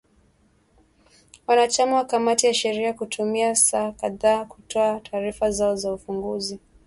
wanachama wa kamati ya sheria kutumia saa kadhaa kutoa taarifa zao za ufunguzi